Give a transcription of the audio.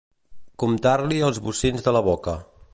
Comptar-li els bocins de la boca.